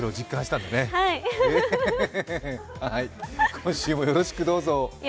今週もよろしくどうぞ。